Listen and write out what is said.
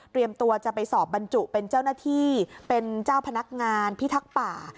ตัวจะไปสอบบรรจุเป็นเจ้าหน้าที่เป็นเจ้าพนักงานพิทักษ์ป่า